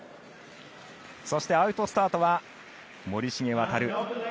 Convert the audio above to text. そして、アウトスタートは森重航。